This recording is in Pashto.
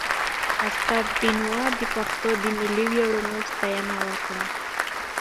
استاد بينوا د پښتنو د ملي ویاړونو ستاینه وکړه.